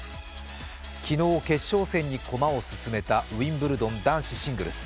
昨日、決勝戦に駒を進めたウィンブルドン男子シングルス。